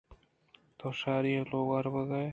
تو شاری ءِ لوگ ءَ روگ ءَ ئے۔